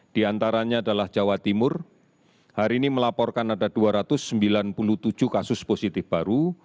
di antaranya adalah jawa timur hari ini melaporkan ada dua ratus sembilan puluh tujuh kasus positif baru